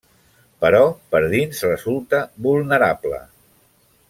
Però per dins resulta vulnerable.